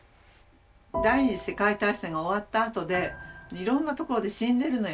第二次世界大戦が終わったあとでいろんなところで死んでるのよね。